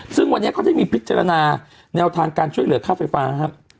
ซึ่งวันนี้เขาได้มีพิจารณาแนวทางการช่วยเหลือค่าไฟฟ้าครับ